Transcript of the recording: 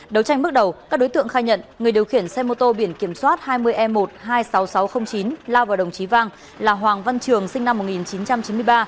đấu tranh bước đầu các đối tượng khai nhận người điều khiển xe mô tô biển kiểm soát hai mươi e một hai mươi sáu nghìn sáu trăm linh chín lao vào đồng chí vang là hoàng văn trường sinh năm một nghìn chín trăm chín mươi ba